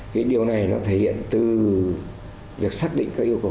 cái điều này nó thể hiện từ việc xác định các yêu cầu cần đạt